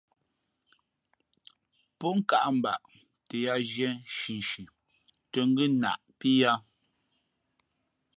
Pō nkāʼ mbaʼ tα yāā zhiē nshinshi tᾱ ngʉ́ naʼpí yāā.